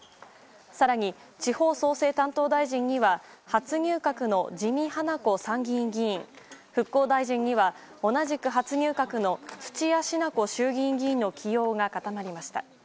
さらに、地方創生担当大臣には初入閣の自見英子参議院議員、復興大臣には同じく初入閣の土屋品子衆議院議員の起用が固まりました。